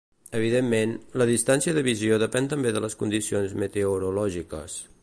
Evidentment, la distància de visió depèn també de les condicions meteorològiques.